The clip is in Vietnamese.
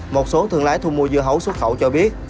một số thương lái thu mua dưa hấu xuất khẩu cho biết